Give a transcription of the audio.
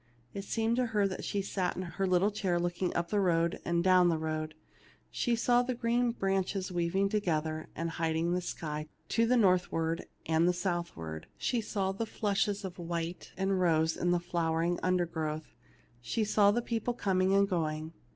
It seemed to her that she sat in her little chair looking up the road and down the road ; she saw the green branches weaving together, and hiding the sky to the northward and the southward ; she saw the flushes of white and rose in the flowering 244 THE LITTLE MAID AT THE DOOH undergrowth ; she saw the people coining and going.